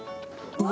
うわ！